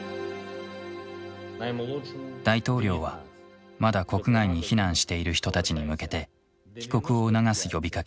大統領はまだ国外に避難している人たちに向けて帰国を促す呼びかけを盛んに行っていた。